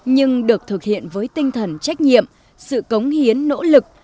nhưng được thực hiện với tinh thần trách nhiệm sự cống hiến nỗ lực